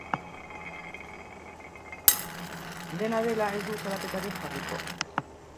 Dena dela, ez du salaketarik jarriko.